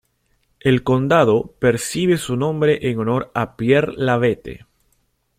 El condado recibe su nombre en honor a Pierre La Bette.